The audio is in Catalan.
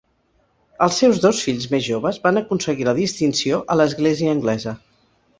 Els seus dos fills més joves van aconseguir la distinció a l"església anglesa.